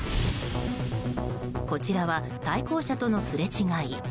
こちらは対向車とのすれ違い。